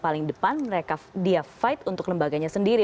panggilan j perseveridlam siapa sih misalnya